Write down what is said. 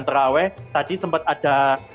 tadi sempet ada